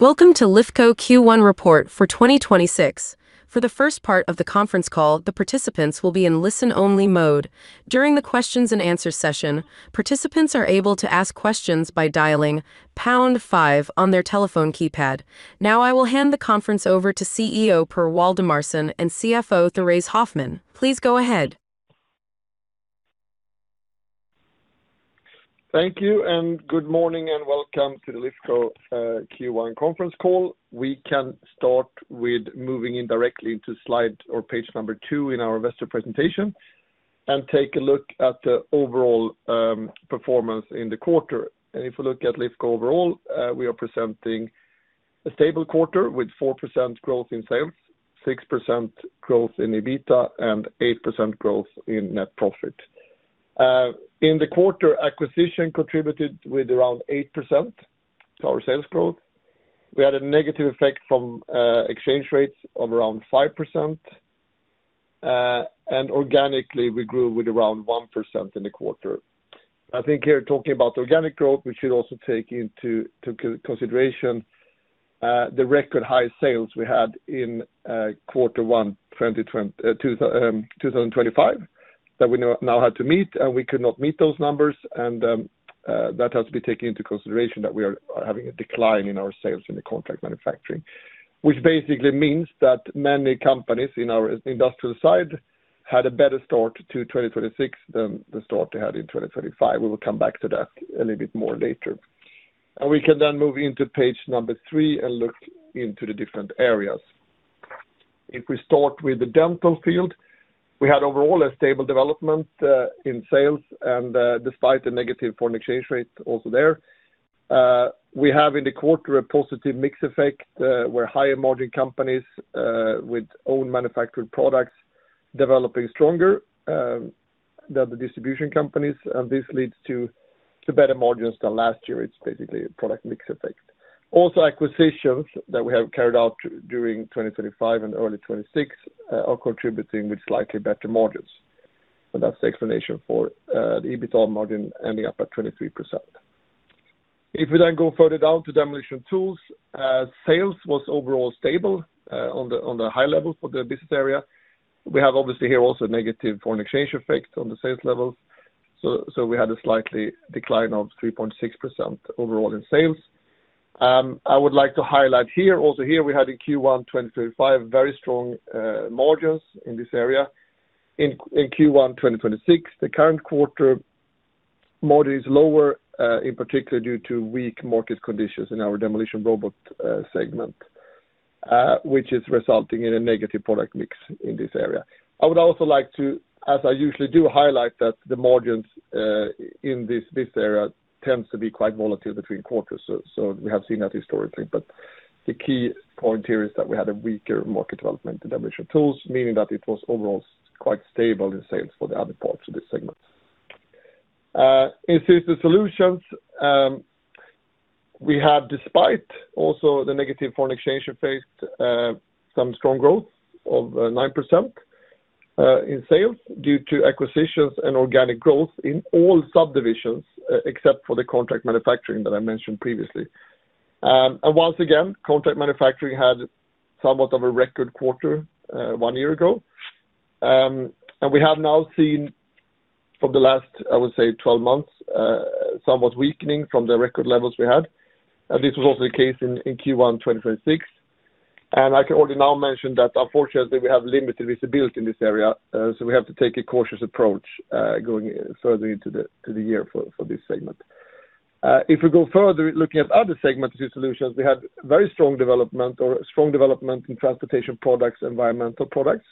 Welcome to Lifco Q1 report for 2026. For the first part of the conference call, the participants will be in listen-only mode. During the questions and answer session, participants are able to ask questions by dialing pound five on their telephone keypad. Now I will hand the conference over to CEO Per Waldemarson and CFO Therése Hoffman. Please go ahead. Thank you, and good morning, and welcome to the Lifco Q1 conference call. We can start with moving in directly into slide or page number 2 in our investor presentation and take a look at the overall performance in the quarter. If we look at Lifco overall, we are presenting a stable quarter with 4% growth in sales, 6% growth in EBITDA, and 8% growth in net profit. In the quarter, acquisition contributed with around 8% to our sales growth. We had a negative effect from exchange rates of around 5%, and organically, we grew with around 1% in the quarter. I think here, talking about organic growth, we should also take into consideration the record-high sales we had in quarter one 2025 that we now had to meet, and we could not meet those numbers, and that has to be taken into consideration that we are having a decline in our sales in the Contract Manufacturing, which basically means that many companies in our industrial side had a better start to 2026 than the start they had in 2025. We will come back to that a little bit more later. We can then move into page number 3 and look into the different areas. If we start with the Dental field, we had overall a stable development in sales and despite the negative foreign exchange rate also there. We have in the quarter a positive mix effect, where higher-margin companies with own manufactured products developing stronger than the distribution companies, and this leads to better margins than last year. It's basically a product mix effect. Also, acquisitions that we have carried out during 2025 and early 2026 are contributing with slightly better margins. That's the explanation for the EBITDA margin ending up at 23%. If we then go further down to Demolition & Tools, sales was overall stable on the high level for the business area. We have obviously here also a negative foreign exchange effect on the sales levels. We had a slight decline of 3.6% overall in sales. I would like to highlight here, also here we had in Q1 2025 very strong margins in this area. In Q1 2026, the current quarter margin is lower, in particular due to weak market conditions in our demolition robot segment, which is resulting in a negative product mix in this area. I would also like to, as I usually do, highlight that the margins in this area tends to be quite volatile between quarters. We have seen that historically, but the key point here is that we had a weaker market development in Demolition & Tools, meaning that it was overall quite stable in sales for the other parts of this segment. In Systems Solutions, we have, despite also the negative foreign exchange effect, some strong growth of 9% in sales due to acquisitions and organic growth in all subdivisions except for the Contract Manufacturing that I mentioned previously. Once again, Contract Manufacturing had somewhat of a record quarter one year ago. We have now seen from the last, I would say 12 months, somewhat weakening from the record levels we had. This was also the case in Q1 2026. I can already now mention that unfortunately, we have limited visibility in this area, so we have to take a cautious approach going further into the year for this segment. If we go further looking at other segments in Systems Solutions, we had very strong development or strong development in Transportation Products, Environmental Products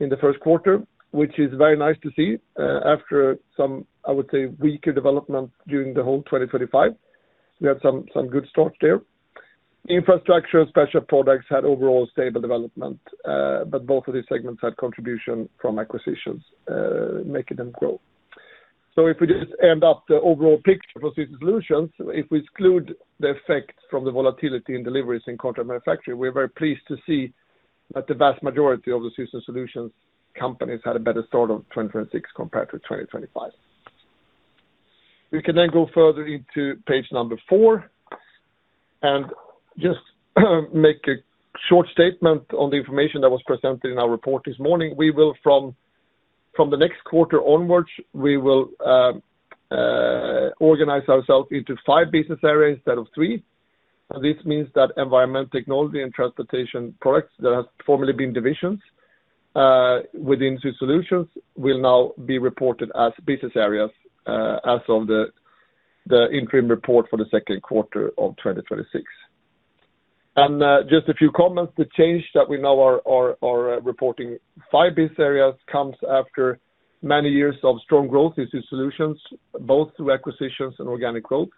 in the first quarter, which is very nice to see after some, I would say, weaker development during the whole 2025. We had some good start there. Infrastructure and Special Products had overall stable development, but both of these segments had contribution from acquisitions, making them grow. If we just end up the overall picture for Systems Solutions, if we exclude the effect from the volatility in deliveries in contract manufacturing, we're very pleased to see that the vast majority of the Systems Solutions companies had a better start of 2026 compared to 2025. We can then go further into page number 4 and just make a short statement on the information that was presented in our report this morning. From the next quarter onwards, we will organize ourselves into five business areas instead of three. This means that Environmental Technology and Transportation Products that have formerly been divisions within Systems Solutions will now be reported as business areas as of the interim report for the second quarter of 2026. Just a few comments. The change that we now are reporting five business areas comes after many years of strong growth in Systems Solutions, both through acquisitions and organic growth.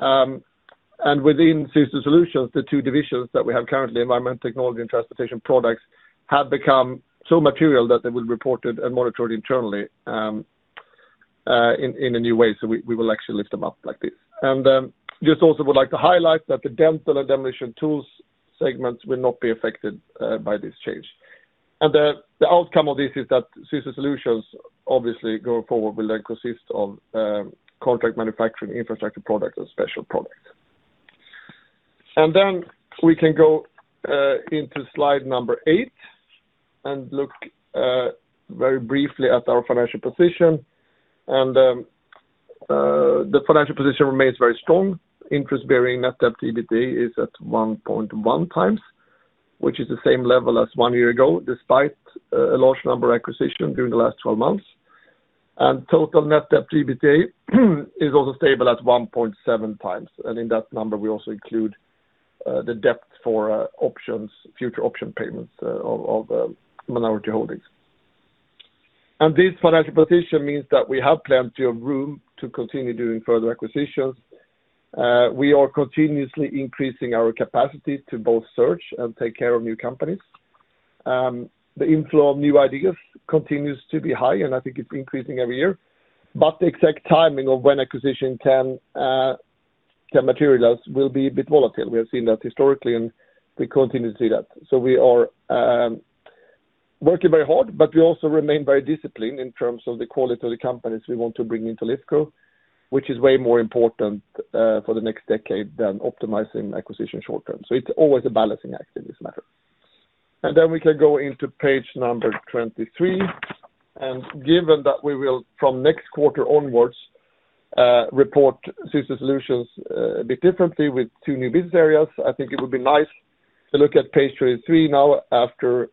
Within Systems Solutions, the two divisions that we have currently, environmental technology, and transportation products, have become so material that they were reported and monitored internally in a new way. We will actually lift them up like this. I would just also like to highlight that the Dental and Demolition & Tools segments will not be affected by this change. The outcome of this is that Systems Solutions, obviously going forward, will consist of Contract Manufacturing, Infrastructure Products, and Special Products. Then we can go into slide number 8 and look very briefly at our financial position. The financial position remains very strong. Interest-bearing net debt EBITDA is at 1.1x, which is the same level as one year ago, despite a large number of acquisitions during the last 12 months. Total net debt EBITDA is also stable at 1.7x. In that number, we also include the debt for future option payments of minority holdings. This financial position means that we have plenty of room to continue doing further acquisitions. We are continuously increasing our capacity to both search and take care of new companies. The inflow of new ideas continues to be high, and I think it's increasing every year. The exact timing of when acquisitions can materialize will be a bit volatile. We have seen that historically, and we continue to see that. We are working very hard, but we also remain very disciplined in terms of the quality of the companies we want to bring into Lifco, which is way more important for the next decade than optimizing acquisition short-term. It's always a balancing act in this matter. We can go into page number 23, and given that we will, from next quarter onwards, report Systems Solutions a bit differently with two new business areas, I think it would be nice to look at page 23 now after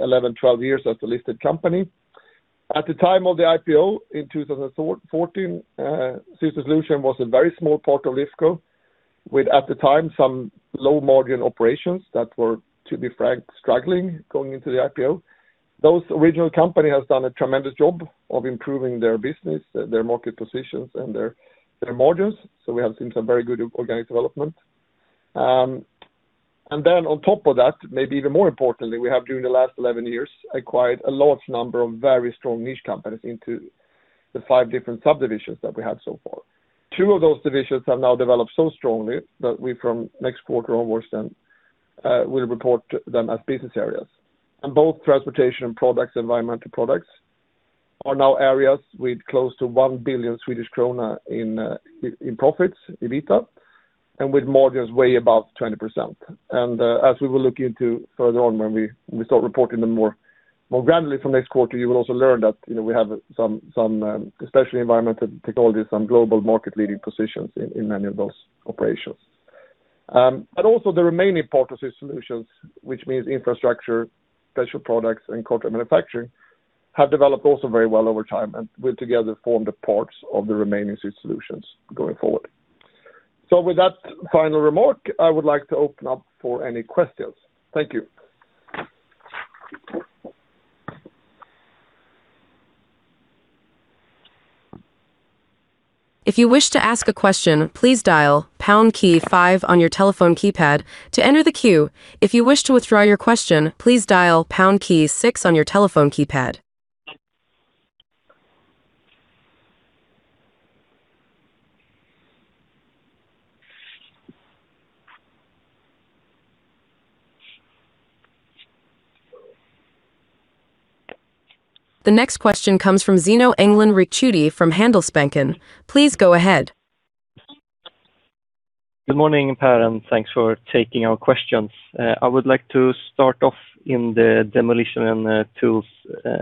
11, 12 years as a listed company. At the time of the IPO in 2014, Systems Solutions was a very small part of Lifco with, at the time, some low-margin operations that were, to be frank, struggling going into the IPO. The original company has done a tremendous job of improving their business, their market positions, and their margins, so we have seen some very good organic development. On top of that, maybe even more importantly, we have during the last 11 years, acquired a large number of very strong niche companies into the five different subdivisions that we have so far. Two of those divisions have now developed so strongly that we from next quarter onwards then will report them as business areas. Both Transportation Products, Environmental Products, are now areas with close to 1 billion Swedish krona in profits, EBITDA, and with margins way above 20%. As we will look into further on when we start reporting them more granularly from next quarter, you will also learn that we have some, especially environmental technologies, some global market leading positions in many of those operations. Also the remaining part of Systems Solutions, which means infrastructure, special products, and contract manufacturing, have developed also very well over time and will together form the parts of the remaining Systems Solutions going forward. With that final remark, I would like to open up for any questions. Thank you. If you wish to ask a question, please dial pound key five on your telephone keypad to enter the queue. If you wish to withdraw your question, please dial pound key six on your telephone keypad. The next question comes from Zino Engdalen Ricciuti from Handelsbanken. Please go ahead. Good morning, Per, and thanks for taking our questions. I would like to start off in the Demolition & Tools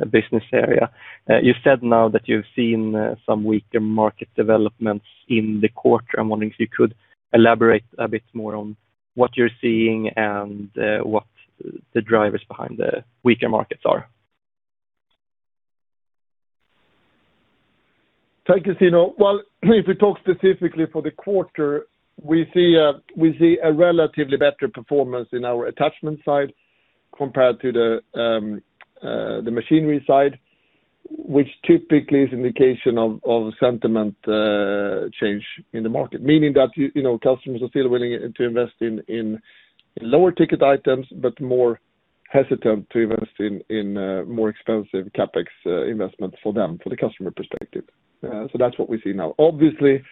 business area. You said now that you've seen some weaker market developments in the quarter. I'm wondering if you could elaborate a bit more on what you're seeing and what the drivers behind the weaker markets are. Thank you, Zino. Well, if we talk specifically for the quarter, we see a relatively better performance in our attachment side compared to the machinery side, which typically is indication of a sentiment change in the market. Meaning that customers are still willing to invest in lower-ticket items, but more hesitant to invest in more expensive CapEx investment for them, for the customer perspective. That's what we see now. Obviously,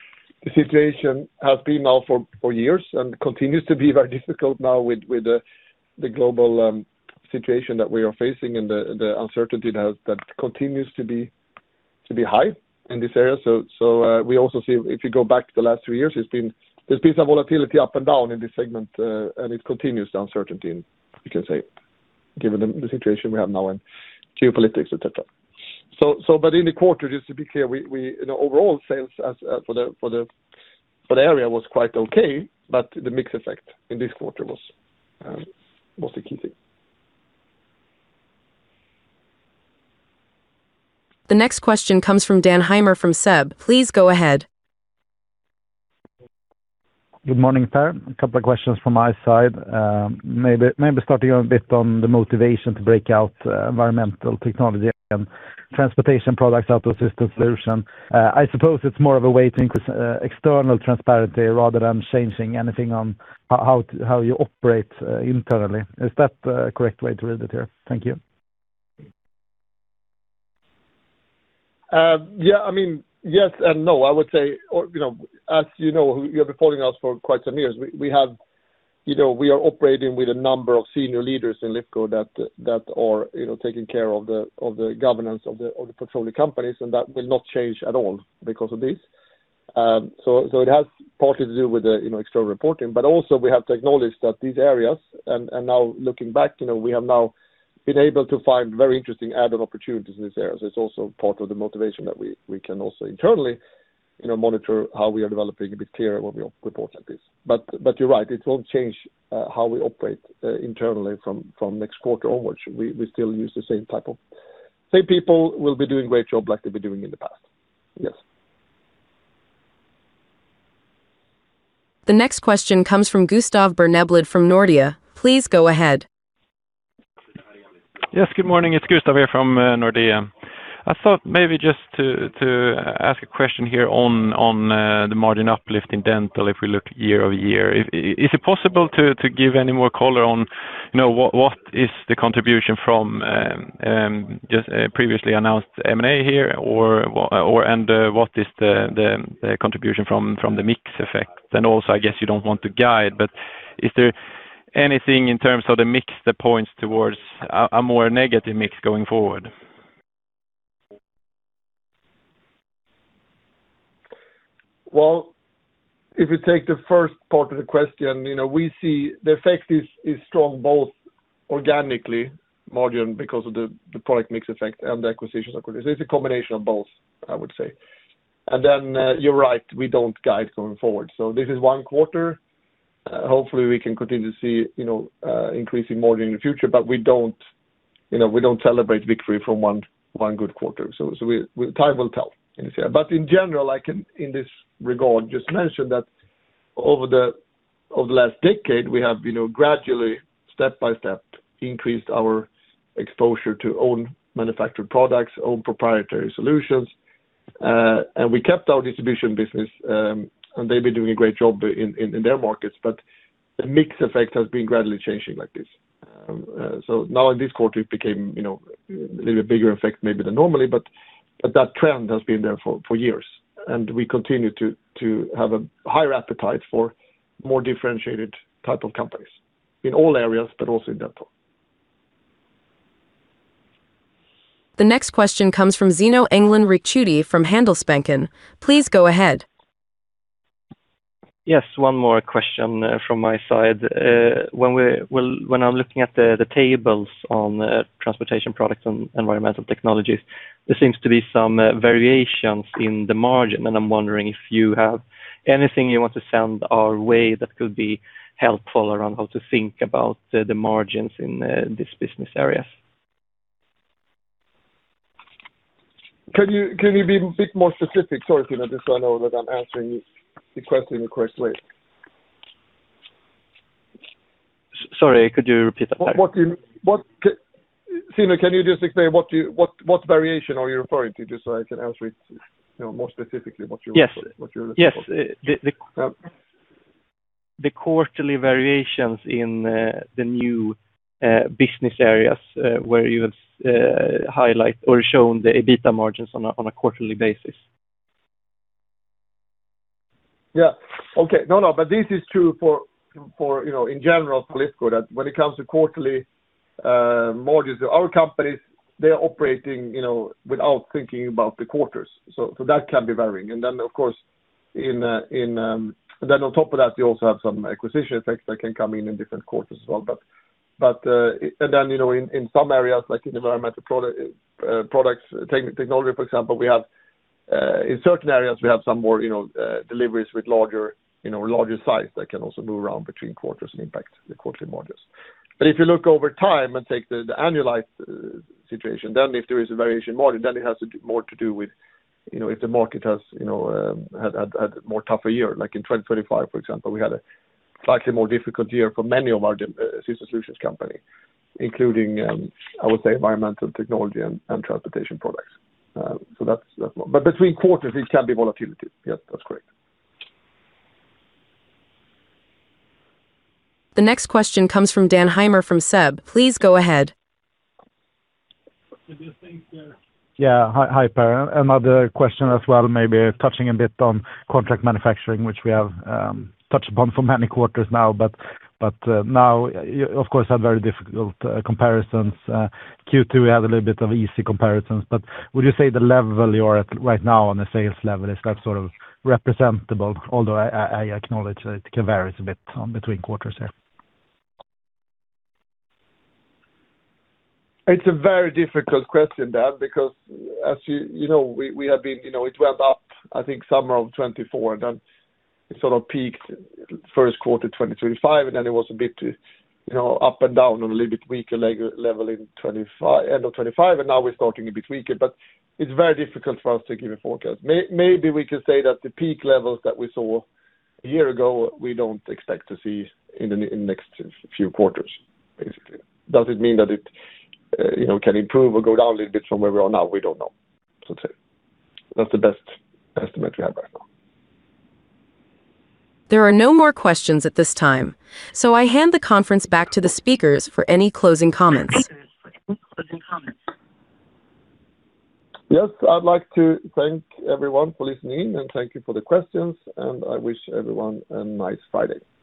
the situation has been now for years and continues to be very difficult now with the global situation that we are facing and the uncertainty that continues to be high in this area. We also see if you go back to the last three years, there's been some volatility up and down in this segment, and it continues the uncertainty, you can say, given the situation we have now and geopolitics, et cetera. In the quarter, just to be clear, overall sales for the area was quite okay, but the mix effect in this quarter was the key thing. The next question comes from Dan Heimer from SEB. Please go ahead. Good morning, Per. A couple of questions from my side. Maybe starting a bit on the motivation to break out Environmental Technology and Transportation Products out of System Solutions. I suppose it's more of a way to increase external transparency rather than changing anything on how you operate internally. Is that a correct way to read it there? Thank you. Yes and no. I would say, as you know, you have been following us for quite some years. We are operating with a number of senior leaders in Lifco that are taking care of the governance of the portfolio companies, and that will not change at all because of this. It has partly to do with the external reporting, but also we have to acknowledge that these areas, and now looking back, we have now been able to find very interesting add-on opportunities in these areas. It's also part of the motivation that we can also internally monitor how we are developing a bit clearer when we report like this. You're right, it won't change how we operate internally from next quarter onwards. Same people will be doing a great job like they've been doing in the past. Yes. The next question comes from Gustav Berneblad from Nordea. Please go ahead. Yes, good morning. It's Gustav here from Nordea. I thought maybe just to ask a question here on the margin uplift in Dental, if we look year-over-year. Is it possible to give any more color on what is the contribution from just a previously announced M&A here, and what is the contribution from the mix effect? Then also, I guess you don't want to guide, but is there anything in terms of the mix that points towards a more negative mix going forward? Well, if you take the first part of the question, we see the effect is strong both organic margin because of the product mix effect and the acquisitions. It's a combination of both, I would say. Then you're right, we don't guide going forward. This is one quarter. Hopefully, we can continue to see increasing margin in the future, but we don't celebrate victory from one good quarter. Time will tell. In general, like in this regard, just mention that over the last decade, we have gradually, step by step, increased our exposure to own manufactured products, own proprietary solutions. We kept our distribution business, and they've been doing a great job in their markets, but the mix effect has been gradually changing like this. Now in this quarter, it became a little bigger effect maybe than normally, but that trend has been there for years, and we continue to have a higher appetite for more differentiated type of companies in all areas, but also in Dental. The next question comes from Zino Engdalen Ricciuti from Handelsbanken. Please go ahead. Yes, one more question from my side. When I'm looking at the tables on Transportation Products and Environmental Technology, there seems to be some variations in the margin, and I'm wondering if you have anything you want to send our way that could be helpful around how to think about the margins in this business area? Can you be a bit more specific? Sorry, Zino, just so I know that I'm answering the question in the correct way. Sorry, could you repeat that back? Zino, can you just explain what variation are you referring to, just so I can answer it more specifically what you're looking for? Yes. The quarterly variations in the new business areas where you have highlighted or shown the EBITDA margins on a quarterly basis. No, but this is true in general for Lifco, that when it comes to quarterly margins, our companies, they are operating without thinking about the quarters. That can be varying, and then, of course, then on top of that, you also have some acquisition effects that can come in in different quarters as well. In some areas, like in Environmental Products- Technology, for example, in certain areas, we have some more deliveries with larger size that can also move around between quarters and impact the quarterly margins. If you look over time and take the annualized situation, then if there is a variation margin, then it has more to do with if the market has had a more tougher year. Like in 2025, for example, we had a slightly more difficult year for many of our Systems Solutions company, including, I would say, Environmental Technology and Transportation Products. Between quarters, it can be volatility. Yes, that's correct. The next question comes from Dan Heimer from SEB. Please go ahead. Yeah. Hi, Per. Another question as well, maybe touching a bit on Contract Manufacturing, which we have touched upon for many quarters now, but now, of course, have very difficult comparisons. Q2, we had a little bit of easy comparisons, but would you say the level you're at right now on the sales level is that sort of representable, although I acknowledge that it can vary a bit between quarters there. It's a very difficult question, Dan, because as you know, it went up, I think, summer of 2024, then it sort of peaked first quarter 2025, and then it was a bit up and down on a little bit weaker level end of 2025, and now we're starting a bit weaker, but it's very difficult for us to give a forecast. Maybe we can say that the peak levels that we saw a year ago, we don't expect to see in the next few quarters, basically. Does it mean that it can improve or go down a little bit from where we are now? We don't know. That's the best estimate we have right now. There are no more questions at this time, so I hand the conference back to the speakers for any closing comments. Yes, I'd like to thank everyone for listening, and thank you for the questions, and I wish everyone a nice Friday. Thank you.